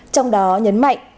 trong đó nhấn mạnh